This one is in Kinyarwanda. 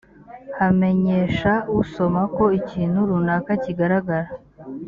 hamenyesha usoma ko ikintu runaka kigaragara